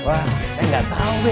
wah saya nggak tau be